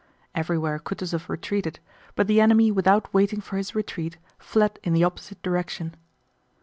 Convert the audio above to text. Everywhere Kutúzov retreated, but the enemy without waiting for his retreat fled in the opposite direction.